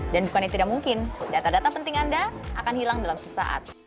dan bukannya tidak mungkin data data penting anda akan hilang dalam sesaat